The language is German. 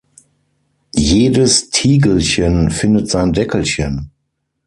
Jedes Tiegelchen findet sein Deckelchen.